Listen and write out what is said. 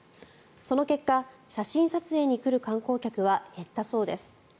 その結果写真撮影に来る観光客は減ったそうです。